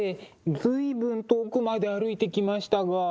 随分遠くまで歩いてきましたが。